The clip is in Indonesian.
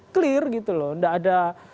clear gitu loh nggak ada